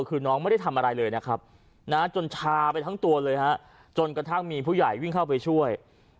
คือน้องไม่ได้ทำอะไรเลยนะครับจนชาไปทั้งตัวเลยฮะจนกระทั่งมีผู้ใหญ่วิ่งเข้าไปช่วย